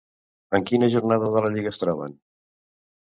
En quina jornada de la lliga es troben?